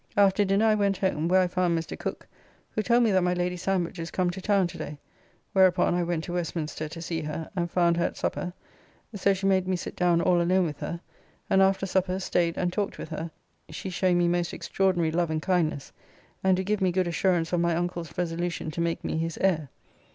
After dinner I went home, where I found Mr. Cooke, who told me that my Lady Sandwich is come to town to day, whereupon I went to Westminster to see her, and found her at super, so she made me sit down all alone with her, and after supper staid and talked with her, she showing me most extraordinary love and kindness, and do give me good assurance of my uncle's resolution to make me his heir.